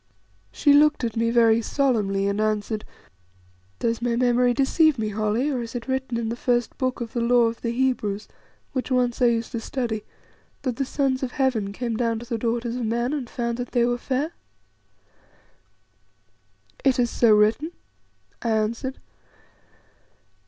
She looked at me very solemnly and answered "Does my memory deceive me, Holly, or is it written in the first book of the Law of the Hebrews, which once I used to study, that the sons of Heaven came down to the daughters of men, and found that they were fair?" "It is so written," I answered.